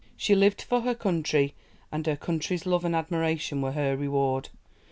She lived for her country, and her country's love and admiration were her reward.